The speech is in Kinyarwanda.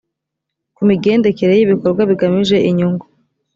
ku migendekere y ibikorwa bigamije inyungu